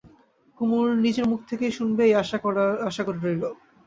কুমুর নিজের মুখ থেকেই শুনবে এই আশা করে রইল।